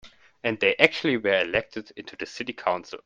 And they actually were elected into the city council.